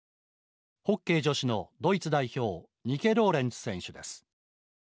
ホッケー女子のドイツ代表ニケ・ローレンツ選手です。